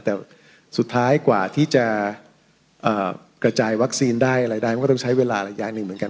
แต่สุดท้ายกว่าที่จะกระจายวัคซีนได้อะไรได้มันก็ต้องใช้เวลาระยะหนึ่งเหมือนกัน